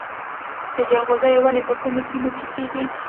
د جلغوزیو ونې په کومو سیمو کې کیږي؟